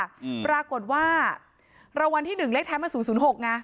ปรากฏว่ารวรรณที่๑เลขท้ายมา๐๖ไง